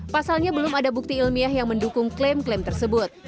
pasalnya belum ada bukti ilmiah yang mendukung klaim klaim tersebut